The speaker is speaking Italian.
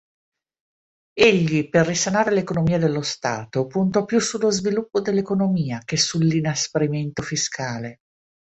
Egli per risanare l'economia dello stato puntò più sullo sviluppo dell'economia che sull'inasprimento fiscale.